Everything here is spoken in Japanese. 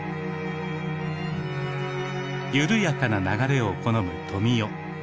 緩やかな流れを好むトミヨ。